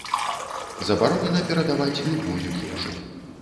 Забаронена перадаваць любую ежу.